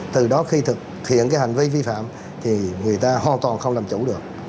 từ đó khi thực hiện cái hành vi vi phạm thì người ta hoàn toàn không làm chủ được